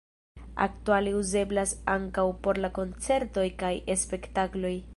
Aktuale uzeblas ankaŭ por koncertoj kaj spektakloj.